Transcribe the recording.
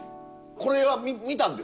これは見たんですよ。